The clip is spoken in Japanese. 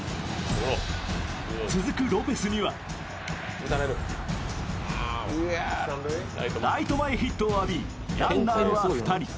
続くロペスにはライト前ヒットを浴びランナーは２人。